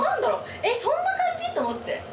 えっそんな感じ？と思って。